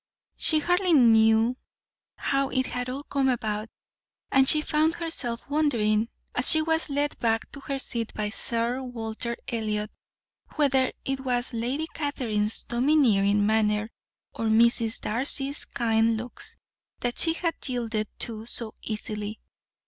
She hardly knew how it had all come about, and she found herself wondering, as she was led back to her seat by Sir Walter Elliot, whether it was Lady Catherine's domineering manner, or Mrs. Darcy's kind looks, that she had yielded to so easily.